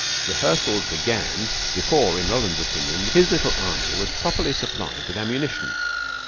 Rehearsals began before, in Roland's opinion, his little army was properly supplied with ammunition.